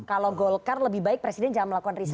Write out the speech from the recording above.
kalau golkar lebih baik presiden jangan melakukan riset